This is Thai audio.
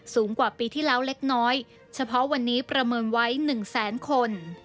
สูงกว่าปีที่แล้วเล็กน้อยเฉพาะวันนี้ประเมินไว้๑แสนคน